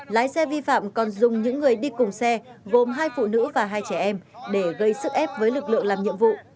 lái xe vi phạm còn dùng những người đi cùng xe gồm hai phụ nữ và hai trẻ em để gây sức ép với lực lượng làm nhiệm vụ